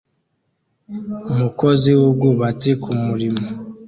Umukozi wubwubatsi kumurimo